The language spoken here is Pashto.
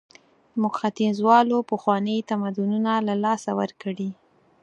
موږ ختیځوالو پخواني تمدنونه له لاسه ورکړي.